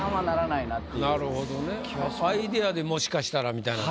アイディアでもしかしたらみたいなとこ。